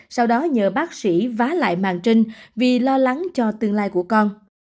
sau đó nhờ bác sĩ vá lại màng trinh vì lo lắng cho tương lai của con